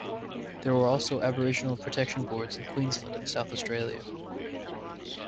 There were also Aboriginal Protection Boards in Queensland and South Australia.